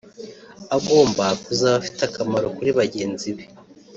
agomba kuzaba afite akamaro kuri bagenzi be